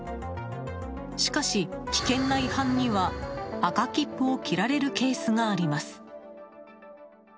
しかし、危険な違反には赤切符を切られるケースがあります。